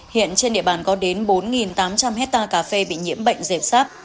hiện trên địa bàn có đến bốn tám trăm linh hectare cà phê bị nhiễm bệnh dẹp sát